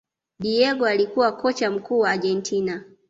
Diego alikuwa kocha mkuu wa Argentina